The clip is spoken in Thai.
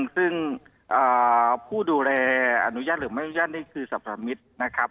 ซึ่งผู้ดูแลอนุญาตหรือไม่อนุญาตนี่คือสรรพมิตรนะครับ